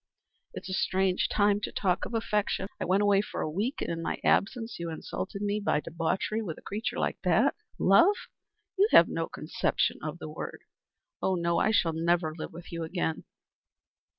"It is a strange time to talk of affection. I went away for a week, and in my absence you insulted me by debauchery with a creature like that. Love? You have no conception of the meaning of the word. Oh no, I shall never live with you again."